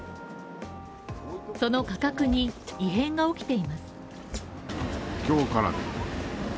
その価格に異変が起きています。